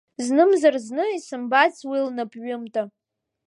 Знымзар-зны исымбац уи лнапҩымҭа.